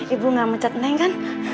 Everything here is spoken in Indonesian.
ibu gak mecet neng kan